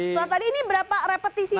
setelah tadi ini berapa repetisi